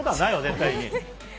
絶対に。